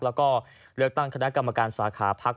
แล้วก็เลือกตั้งคณะกรรมการสาขาพัก